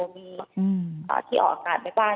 ที่ออกอากาศไหมบ้าง